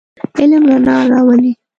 علم رڼا راولئ.